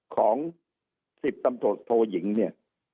ของสิทธิ์ตำรวจโทยิงเนี่ย